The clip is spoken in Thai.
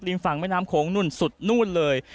ฝั่งแม่น้ำโขงนู่นสุดนู่นเลย